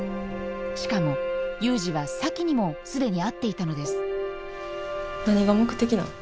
しかも祐二は咲妃にも既に会っていたのです何が目的なん？